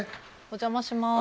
お邪魔します。